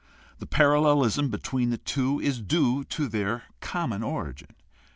The parallelism between the two is due to their com mon origin.